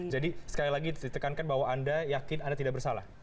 jadi sekali lagi ditekankan bahwa anda yakin anda tidak bersalah